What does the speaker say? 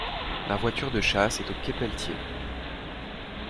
Ma voiture de chasse est au Quai Pelletier.